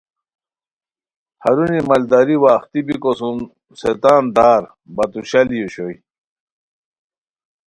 ہرونی مالداری وا اختی بیکو سُم سے تان دار بتو شالی اوشوئے